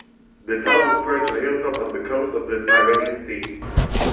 The town is perched on a hilltop on the coast of the Tyrrhenian Sea.